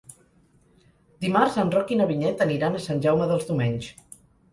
Dimarts en Roc i na Vinyet aniran a Sant Jaume dels Domenys.